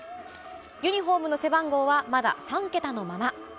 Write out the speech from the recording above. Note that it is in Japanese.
ユニホームの背番号はまだ３桁のまま。